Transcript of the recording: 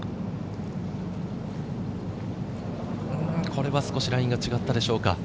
これは少しラインが違ったでしょうか。